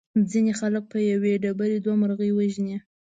ځینې خلک په یوې ډبرې دوه مرغۍ وژني.